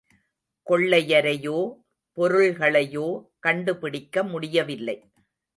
கொள்ளையரையோ, பொருள்களையோ கண்டுபிடிக்க முடியவில்லை.